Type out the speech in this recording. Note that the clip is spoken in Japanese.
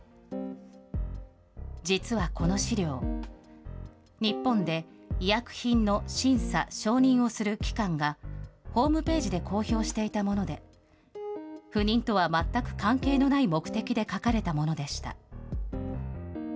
実はこの資料、日本で医薬品の審査・承認をする機関が、ホームページで公表していたもので、不妊とは全く関係のない目的で書かれたものでした。